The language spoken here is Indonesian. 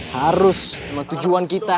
harus emang tujuan kita